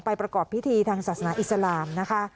ประกอบพิธีทางศาสนาอิสลามนะคะ